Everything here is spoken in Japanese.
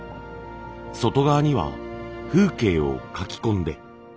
外側には風景を描き込んで。